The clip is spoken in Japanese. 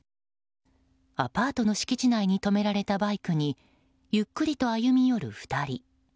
アパートの敷地内に止められたバイクにゆっくりと歩み寄る２人。